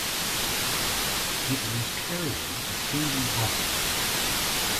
It was carrying a single bomb.